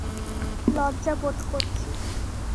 লজ্জা বোধ করছি।